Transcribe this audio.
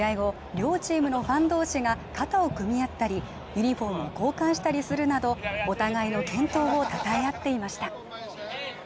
両チームのファン同士が肩を組み合ったりユニフォームを交換したりするなどお互いの健闘をたたえあっていました